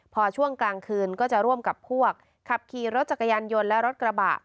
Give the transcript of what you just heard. พอช่วงกลางคืนก็จะร่วมกับพวกขับขี่รถจักรยานยนต์และรถกระบะ